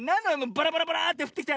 バラバラバラーッてふってきたの。